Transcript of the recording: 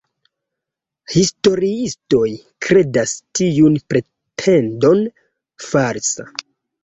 Historiistoj kredas tiun pretendon falsa.